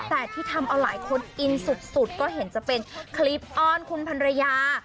แต่ที่ทำเอาหลายคนอินสุดก็เห็นจะเป็นคลิปอ้อนคุณพันรยา